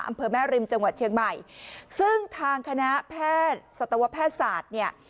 อำเภอแม่ริมจังหวัดเชียงใหม่ซึ่งทางคณะแพทย์สัตวแพทย์ศาสตร์เนี่ย